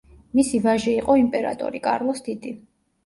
მისი ვაჟი იყო იმპერატორი კარლოს დიდი.